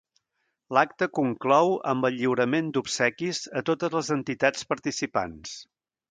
L'acte conclou amb el lliurament d'obsequis a totes les entitats participants.